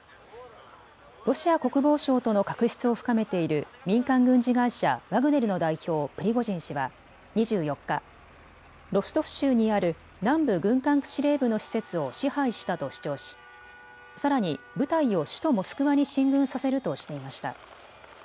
ロシア国防省との確執を深めている民間軍事会社、ワグネルの代表、プリゴジン氏は２４日、ロストフ州にある南部軍管区司令部の施設を支配したと主張し、さらに部隊を首都モスクワに進軍させるとしていました。